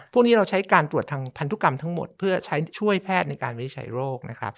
พวกนี้เราใช้การตรวจทางพันธุกรรมทั้งหมดเพื่อช่วยแพทย์ในการวินิจฉัยโรคนะครับ